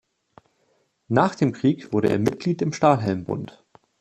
Nach dem Krieg wurde er Mitglied im Stahlhelm-Bund.